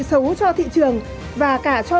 xấu cho thị trường và cả cho